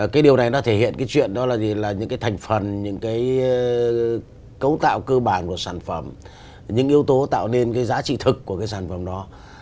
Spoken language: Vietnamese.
cái điều này nó thể hiện cái chuyện đó là gì là những cái thành phần những cái cấu tạo cơ bản của sản phẩm những yếu tố tạo nên cái giá trị thực của cái sản phẩm đó